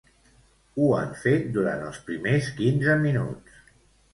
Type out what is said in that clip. Ho han fet durant els primers quinze minuts.